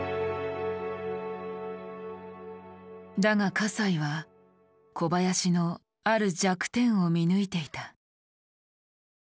だが西は小林のある弱点を見抜いていた。